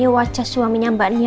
wajah suaminya mbak nia